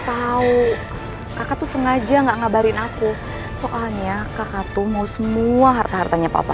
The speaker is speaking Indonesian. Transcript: tahu kakak tuh sengaja nggak ngabarin aku soalnya kakak tuh mau semua harta hartanya papa